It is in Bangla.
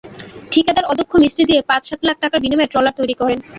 ঠিকাদার অদক্ষ মিস্ত্রি দিয়ে পাঁচ-সাত লাখ টাকার বিনিময়ে ট্রলার তৈরি করেন।